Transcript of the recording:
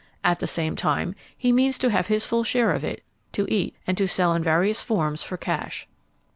At the same time, he means to have his full share of it, to eat, and to sell in various forms for cash.